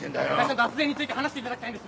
脱税について話していただきたいんです